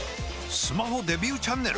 スマホデビューチャンネル！？